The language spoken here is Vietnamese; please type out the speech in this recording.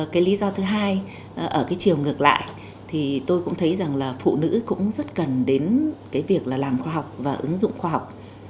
cái lý do thứ hai ở cái chiều ngược lại thì tôi cũng thấy rằng là phụ nữ cũng rất cần đến cái việc là làm khoa học và ứng dụng khoa học